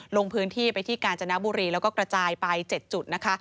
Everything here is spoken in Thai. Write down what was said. ลงพื้นที่ไปที่กาญจนบุรีแล้วก็กระจายไป๗จุดนะคะ